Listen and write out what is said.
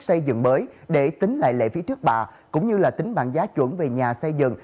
xây dựng mới để tính lại lệ phí trước bạ cũng như tính bản giá chuẩn về nhà xây dựng